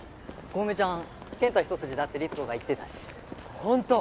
小梅ちゃん健太一筋だって律子が言ってたしホント？